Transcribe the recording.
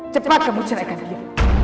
cepat kamu ceraikan dia